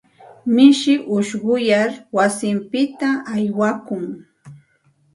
Mishi ushquyar wasinpita aywakun.